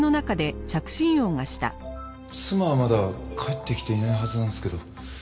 妻はまだ帰ってきていないはずなんですけど。